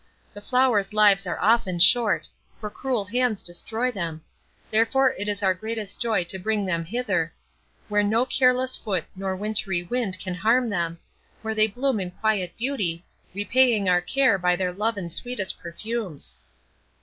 The flowers' lives are often short, for cruel hands destroy them; therefore is it our greatest joy to bring them hither, where no careless foot or wintry wind can harm them, where they bloom in quiet beauty, repaying our care by their love and sweetest perfumes."